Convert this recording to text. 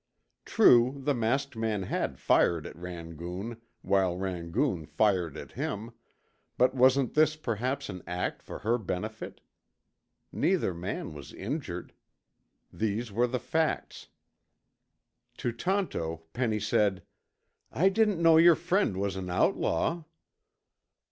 True, the masked man had fired at Rangoon while Rangoon fired at him, but wasn't this perhaps an act for her benefit? Neither man was injured. These were the facts. To Tonto, Penny said, "I didn't know your friend was an outlaw."